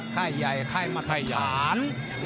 ไข้ใหญ่ไข้มัดผ่าน